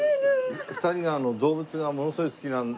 ２人が動物がものすごい好きなんで。